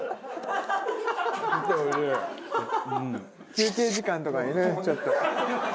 休憩時間とかにねちょっと。